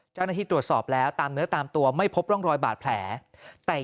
เจ้าหน้าที่ตรวจสอบแล้วตามเนื้อตามตัวไม่พบร่องรอยบาดแผลแต่